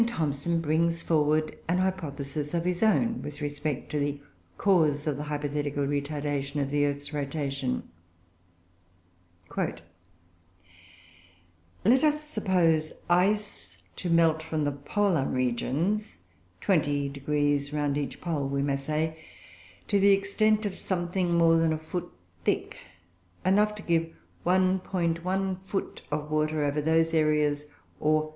Thomson brings forward an hypothesis of his own with respect to the cause of the hypothetical retardation of the earth's rotation: "Let us suppose ice to melt from the polar regions (20° round each pole, we may say) to the extent of something more than a foot thick, enough to give 1.1 foot of water over those areas, or 0.